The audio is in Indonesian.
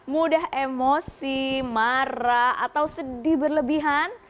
mudah emosi marah atau sedih berlebihan